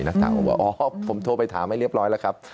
นักข่าวก็บอกอ๋อผมโทรไปถามให้เรียบร้อยแล้วครับ